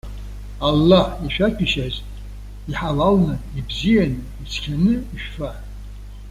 Аллаҳ ишәаҭәеишьаз, иҳалалны, ибзианы, ицқьаны ишәфа.